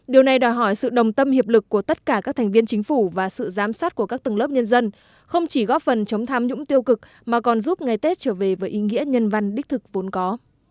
điều này đòi hỏi sự đồng tâm hiệp lực của tất cả các thành viên chính phủ và sự giám sát của các tầng lớp nhân dân không chỉ góp phần chống tham nhũng tiêu cực mà còn giúp ngày tết trở về với ý nghĩa nhân văn đích thực vốn có